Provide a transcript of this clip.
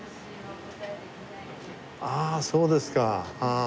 ああそうですか。